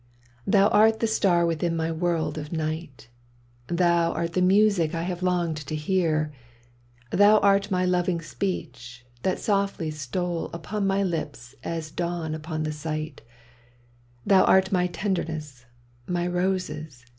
Thou art the star within my world of night, Thou art the music I have longed to hear, Thou art my loving speech, that softly stole Upon my lips as dawn upon the sight; Thou art my tenderness — my roses.